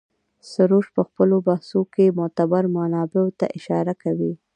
سروش په خپلو بحثونو کې معتبرو منابعو ته اشاره کوي.